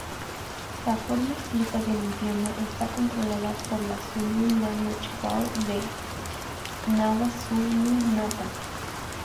La forma escrita del idioma está controlada por la Zulu Language Board de KwaZulu-Natal.